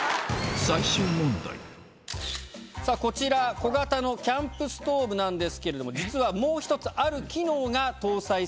こちら小型のキャンプストーブなんですけれども実はもう１つある機能が搭載されています。